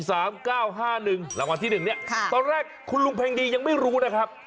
รางวัลที่๑เนี่ยตอนแรกคุณลุงเพ็งดียังไม่รู้นะครับ